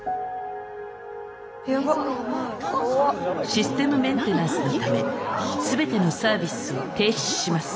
システムメンテナンスのため全てのサービスを停止します。